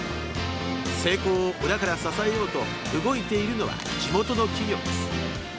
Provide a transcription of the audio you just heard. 成功を裏から支えようと動いているのは地元の企業です。